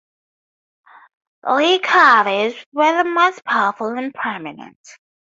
Lichohavis were the most powerful and prominent.